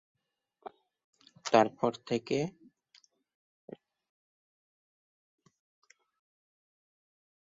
অম্বিকাচরণ তখন বাংলার বিকাশমান কুস্তিগীরদের প্রশিক্ষক হিসেবে গুরুত্বপূর্ণ ভূমিকা পালন করেন।